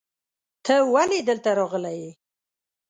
ته ولې دلته راغلی یې؟